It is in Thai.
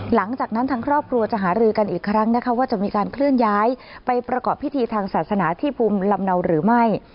หลังจากนั้นทางครอบครัวจะหารือกันอีกครั้งนะคะว่าจะมีการเคลื่อนย้ายไปประกอบพิธีทางศาสนาที่ภูมิลำเนาหรือไม่